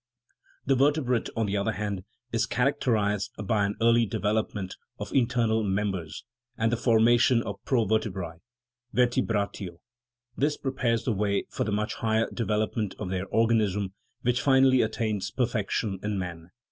The vertebrate, on the other hand, is charac terized by an early development of internal members, and the formation of pro vertebrae (vertebratio) . This prepares the way for the much higher development of their organism, which finally attains perfection in man.